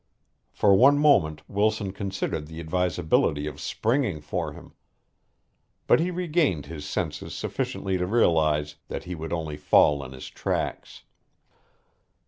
For one moment Wilson considered the advisability of springing for him. But he regained his senses sufficiently to realize that he would only fall in his tracks.